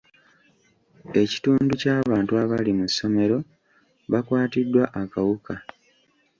Ekitundu ky'abantu abali mu ssomero bakwatiddwa akawuka.